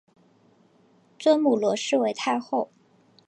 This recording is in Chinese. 尊母罗氏为太后。